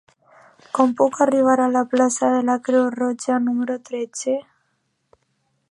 Com puc arribar a la plaça de la Creu Roja número tretze?